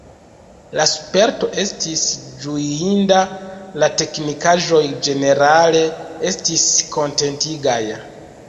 La sperto estis ĝuinda, la teknikaĵoj ĝenerale estis kontentigaj.